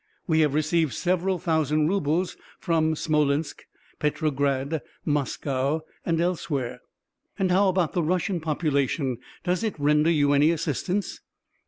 We have received several thousand rubles from Smolensk, Petrograd, Moscow, and elsewhere." "And how about the Russian population, does it render you any assistance?"